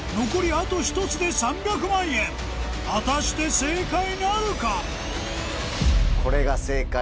あと１つで３００万円果たして正解なるか？